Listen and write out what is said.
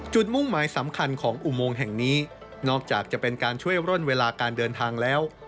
มุ่งหมายสำคัญของอุโมงแห่งนี้นอกจากจะเป็นการช่วยร่นเวลาการเดินทางแล้ว